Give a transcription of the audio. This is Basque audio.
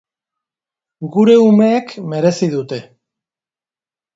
Gure umeek merezi dute.